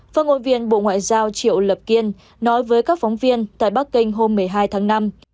phát ngôn viên bộ ngoại giao triệu lập kiên nói với các phóng viên tại bắc kinh hôm một mươi hai tháng năm